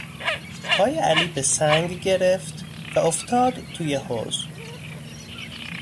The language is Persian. پای علی به سنگ گرفت و افتاد توی حوض.